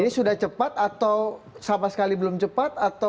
ini sudah cepat atau sama sekali belum cepat